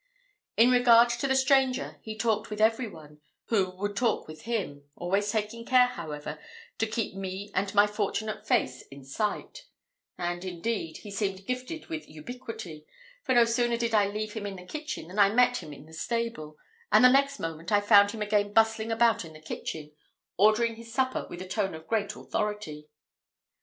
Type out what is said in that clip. In regard to the stranger, he talked with every one who would talk with him, always taking care, however, to keep me and my fortunate face in sight; and, indeed, he seemed gifted with ubiquity, for no sooner did I leave him in the kitchen than I met him in the stable; and the next moment I found him again bustling about in the kitchen, ordering his supper with a tone of great authority.